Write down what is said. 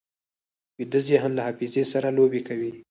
ویده ذهن له حافظې سره لوبې کوي